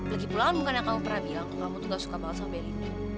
lagipula bukan yang kamu pernah bilang kamu tuh nggak suka banget sama belinda